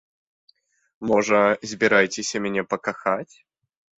Можа, збіраецеся мяне пакахаць?